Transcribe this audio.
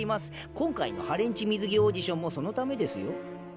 今回の破廉恥水着オーディションもそのためですよ。